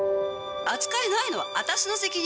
扱いないのは私の責任？